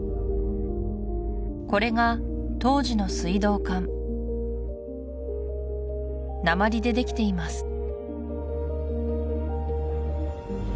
これが当時の水道管鉛でできています